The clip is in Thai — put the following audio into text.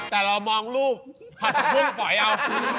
แต่เรามองลูกผัดปรุงฝอยเอา